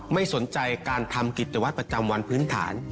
ไม่สนใจการทำกิจวัตรประจำวันพื้นฐาน